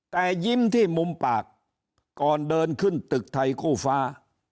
แต่ยิ้มที่มุมปากก่อนเดินขึ้นตึกไทยคู่ฟ้า